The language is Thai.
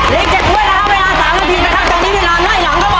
เรียกเจ็บก้วยแล้วเอาเวลาสามนาทีไปครับตอนนี้เวลาไหล่หลังก็มาแล้วครับ